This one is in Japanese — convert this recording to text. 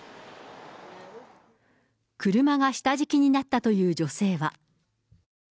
車が下敷きになったという女性は。